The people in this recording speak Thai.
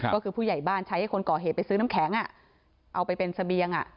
ก็คือผู้ใหญ่บ้านใช้ให้คนก่อเหตุไปซื้อน้ำแข็งเอาไปเป็นเสบียง